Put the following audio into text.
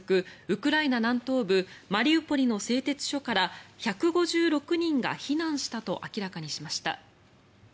ウクライナ南東部マリウポリの製鉄所から１５６人が避難したと明らかにしました。